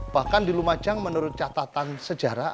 bahkan di lumajang menurut catatan sejarah